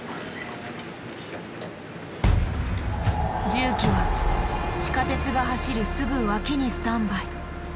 重機は地下鉄が走るすぐ脇にスタンバイ。